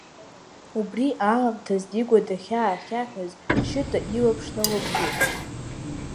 Убри аамҭаз Дигәа дахьаахьаҳәыз Шьыта илаԥш налықәшәеит.